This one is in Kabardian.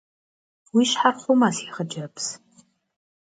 Уи щхьэр хъумэ, си хъыджэбз.